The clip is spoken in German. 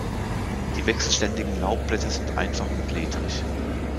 Die wechselständigen Laubblätter sind einfach und ledrig.